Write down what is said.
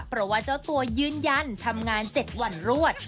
เพราะว่าเจ้าตัวยืนยันทำงาน๗วันรวด